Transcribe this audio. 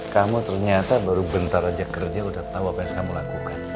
kamu ternyata baru bentar aja kerja udah tahu apa yang kamu lakukan